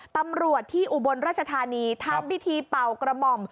ตำรวจที่อุบลราชธานีทำพิธีเป่ากระหม่อม